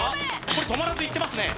これ止まらずいってますね